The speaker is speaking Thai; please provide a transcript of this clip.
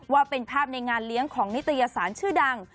ว่าเป็นภาพในงานเลี้ยงของนิตยสารชื่อดัง